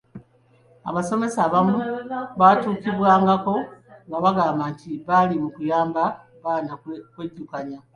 Abasomesa abamu baatuukibwangako nga bagamba nti bali mu kuyamba baana kwejjukanya.